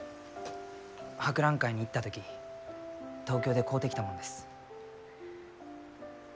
博覧会に行った時東京で買うてきたもんです。